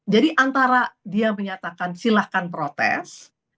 jadi antara dia menyatakan silahkan protes